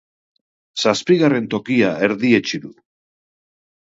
Zazpigarren tokia erdietsi du.